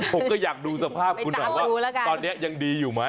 ผมก็อยากดูสภาพคุณหน่อยว่าตอนนี้ยังดีอยู่ไหม